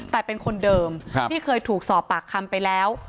แต่เป็นคนเดิมที่เคยถูกสอบปากคำไปแล้ว